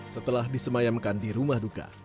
setelah disemayamkan di rumah duka